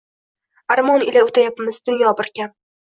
Аrmon ila oʼtayapmiz, dunyo bir kam